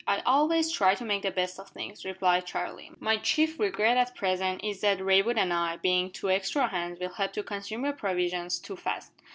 "I always try to make the best of things," replied Charlie. "My chief regret at present is that Raywood and I, being two extra hands, will help to consume your provisions too fast."